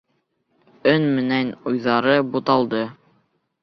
Өн менән уйҙары буталды.